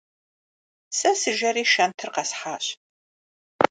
Сэ сыжэри шэнтыр къэсхьащ.